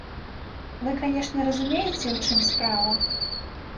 Вы, канешне, разумееце, у чым справа?